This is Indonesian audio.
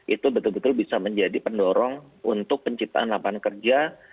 itu betul betul bisa menjadi pendorong untuk penciptaan lapangan kerja